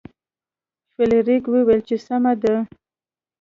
فلیریک وویل چې سمه ده.